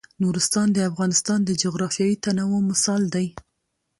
نورستان د افغانستان د جغرافیوي تنوع مثال دی.